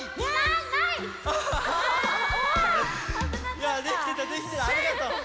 いやできてたできてたありがとう。